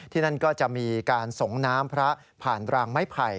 นั่นก็จะมีการส่งน้ำพระผ่านรางไม้ไผ่